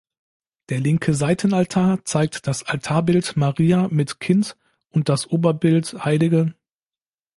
Der linke Seitenaltar zeigt das Altarbild Maria mit Kind und das Oberbild hl.